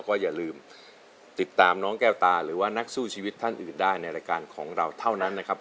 ก็อย่าลืมติดตามน้องแก้วตาหรือว่านักสู้ชีวิตท่านอื่นได้ในรายการของเราเท่านั้นนะครับ